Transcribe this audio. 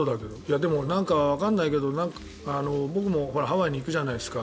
でもわからないけど僕もハワイに行くじゃないですか。